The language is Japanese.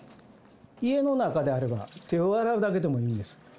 家の中であれば、手を洗うだけでもいいんです。